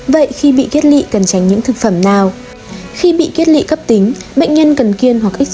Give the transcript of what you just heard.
vậy khi bị kiết lị cần tránh những thực phẩm nào